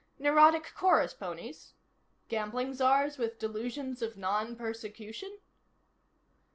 Neurotic chorus ponies? Gambling czars with delusions of non persecution?